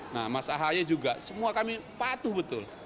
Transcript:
nah mas ahaye juga semua kami patuh betul